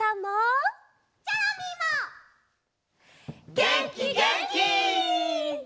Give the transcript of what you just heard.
げんきげんき！